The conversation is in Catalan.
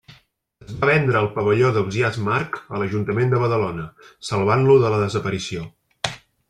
Es va vendre el Pavelló d'Ausiàs March a l'Ajuntament de Badalona, salvant-lo de la desaparició.